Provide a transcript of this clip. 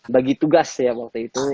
bagi tugas ya waktu itu